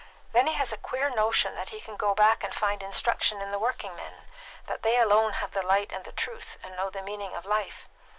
Then he has a queer notion that he can go back and find instruction in the working men that they alone have the light and the truth, and know the meaning of life.